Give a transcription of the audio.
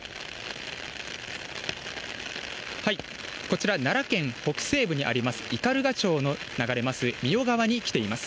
こちら奈良県北西部にあります、斑鳩町を流れますみよ川に来ています。